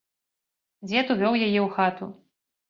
Дзед увёў яе ў хату.